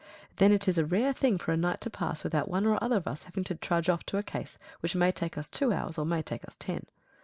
Then it is a rare thing for a night to pass without one or other of us having to trudge off to a case which may take us two hours, or may take us ten.